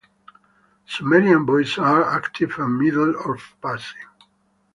Sumerian voices are: active, and middle or passive.